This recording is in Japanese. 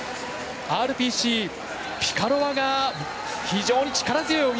ＲＰＣ、ピカロワが非常に力強い泳ぎ。